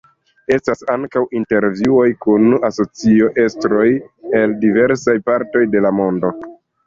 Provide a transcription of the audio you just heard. Estas ankaŭ intervjuoj kun asocio-estroj el diversaj partoj de la mondo.